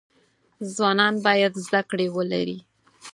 ځوانان باید زده کړی ولری